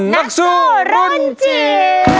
นักสู้รุ่นจิ๋ว